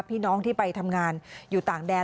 พี่น้องที่ไปทำงานอยู่ต่างแดน